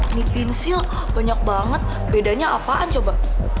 ini pensil banyak banget bedanya apaan coba